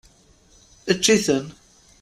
Ečč-iten!